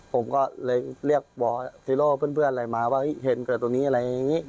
ผมก็เลยเรียกบอกฮีโร่เพื่อนอะไรมาว่าเห็นเกิดตรงนี้อะไรอย่างนี้